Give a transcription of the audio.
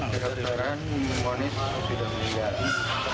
dari kondokteran konis sudah meninggal